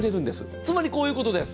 つまりこういうことです。